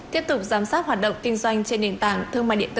tiếp tục giám sát hoạt động kinh doanh trên nền tảng thương mại điện tử